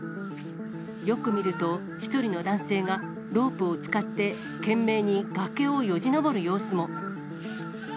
よく見ると、１人の男性がロープを使って、懸命に崖をよじ登る様子も。